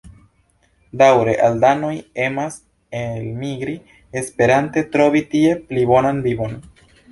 Daŭre albanoj emas elmigri esperante trovi tie pli bonan vivon.